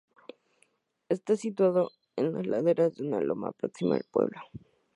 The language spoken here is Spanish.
Está situado en las laderas de una loma próxima al pueblo.